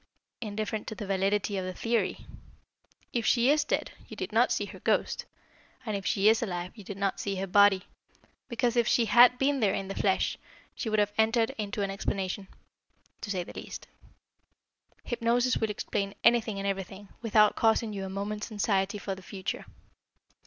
"Indifferent to the validity of the theory. If she is dead, you did not see her ghost, and if she is alive you did not see her body, because, if she had been there in the flesh, she would have entered into an explanation to say the least. Hypnosis will explain anything and everything, without causing you a moment's anxiety for the future."